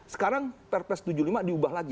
sekarang perpres tujuh puluh lima diubah lagi